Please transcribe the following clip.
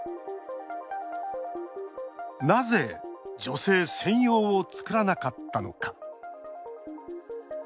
なぜ、女性専用をつくらなかったのか。